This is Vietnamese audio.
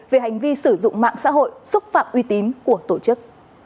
về hành vi sử dụng mạng xã hội xúc phạm uy tín của tổ chức